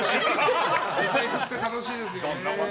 お財布って楽しいですよ。